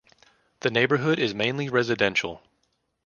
The neighborhood is mainly residential.